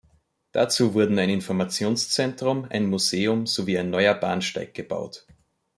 Dazu wurden ein Informationszentrum, ein Museum sowie ein neuer Bahnsteig gebaut.